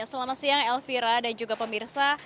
selamat siang elvira dan juga pemirsa